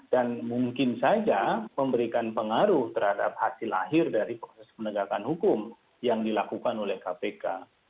dan mungkin saja memberikan pengaruh terhadap hasil akhir dari proses penegakan hukum yang dilakukan oleh kpk